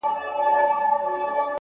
خالق چي د ژوند ټوله عبادت خاورې ايرې کړ-